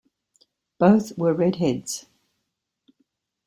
Both were red heads.